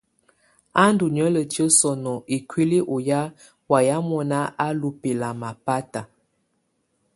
Á ndù niǝ́lǝtiǝ́ sɔnɔ ikuili ù ya wayɛ mɔna á lù bɛnana bata.